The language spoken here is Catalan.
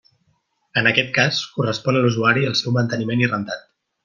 En aquest cas, correspon a l'usuari el seu manteniment i rentat.